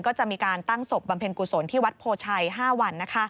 ก็จะมีการตั้งศพบำเพ็ญกุศลที่วัดโพชัย๕วัน